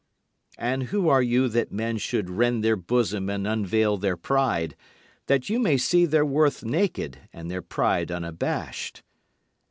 And who are you that men should rend their bosom and unveil their pride, that you may see their worth naked and their pride unabashed?